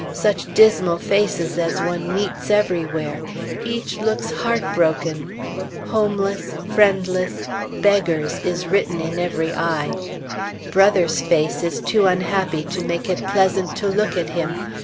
Such dismal faces as one meets everywhere! Each looks heartbroken. Homeless, friendless, beggars, is written in every eye. Brother's face is too unhappy to make it pleasant to look at him.